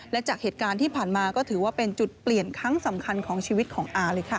และจากเหตุการณ์ที่ผ่านมาก็ถือว่าเป็นจุดเปลี่ยนครั้งสำคัญของชีวิตของอาเลยค่ะ